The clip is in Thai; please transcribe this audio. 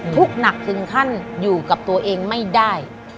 ทุกข์หนักถึงขั้นอยู่กับตัวเองไม่ได้